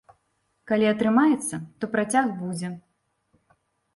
Калі атрымаецца, то працяг будзе.